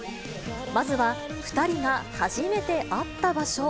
まずは２人が初めて会った場所。